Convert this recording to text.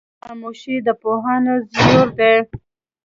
خاموشي د پوهانو زیور دی.